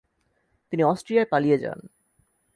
তিনি অস্ট্রিয়ায় পালিয়ে যান।